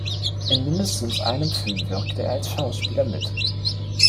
In mindestens einem Film wirkte er als Schauspieler mit.